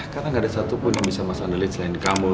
karena gak ada satupun yang bisa mas andelit selain kamu